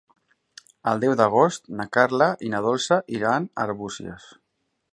El deu d'agost na Carla i na Dolça iran a Arbúcies.